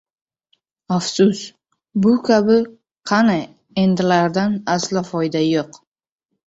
Afsus, bu kabi qani endilardan aslo foyda yo`q